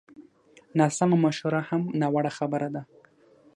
ناسمه مشوره هم ناوړه خبره ده